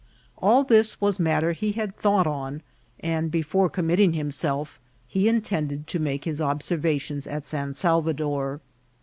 All this was matter he had thought on, and before com mitting himself he intended to make his observations at San Salvador.